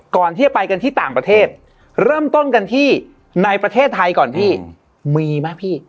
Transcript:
ก่อนที่จะไปกันที่ต่างประเทศเริ่มต้นกันที่ในประเทศไทยก่อนพี่มีไหมพี่